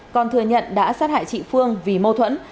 còn thừa nhận đã sát hại chị phương vì mâu thuẫn